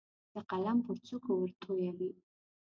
د قلم پر څوکو ورتویوي